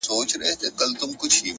اخلاق د شخصیت ریښتینی غږ دی؛